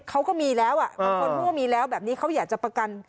เขาก็มีแล้วบางคนเมื่อมีแล้วแบบนี้เขาอยากจะประกัน